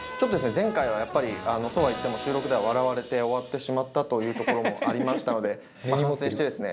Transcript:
前回はやっぱりそうは言っても収録では笑われて終わってしまったというところもありましたので反省してですね